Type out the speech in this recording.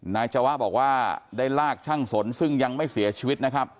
นายจวะบอกว่าได้ลากช่างสนซึ่งยังไม่เสียชีวิตนะครับ